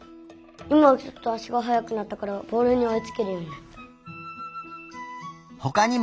今はちょっとあしがはやくなったからボールにおいつけるようになった。